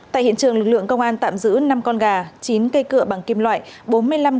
tại hiện trường lực lượng công an tạm giữ năm con gà chín cây cựa bằng kim loại